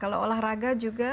kalau olahraga juga